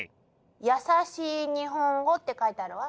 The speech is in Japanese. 「やさしい日本語」って書いてあるわ。